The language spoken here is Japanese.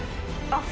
あっ。